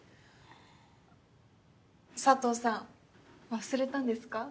佐藤さん忘れたんですか？